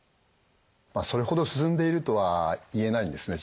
まあそれほど進んでいるとは言えないんですね